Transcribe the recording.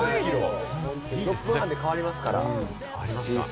６分半で変わりますから、人生。